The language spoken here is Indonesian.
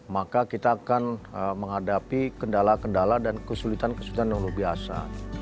maka kita akan menghadapi kendala kendala dan kesulitan kesulitan yang luar biasa